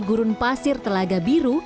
gurun pasir telaga biru